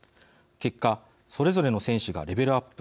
結果それぞれの選手がレベルアップ。